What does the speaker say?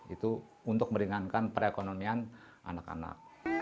itu untuk meringankan perekonomian anak anak